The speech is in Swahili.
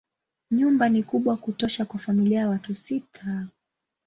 Nyumba ni kubwa kutosha kwa familia ya watu sita.